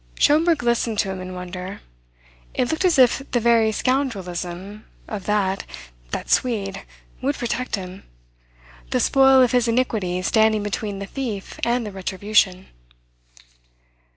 Schomberg listened to him in wonder. It looked as if the very scoundrelism, of that that Swede would protect him; the spoil of his iniquity standing between the thief and the retribution.